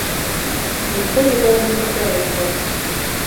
Ніхто нікога не папярэджвае.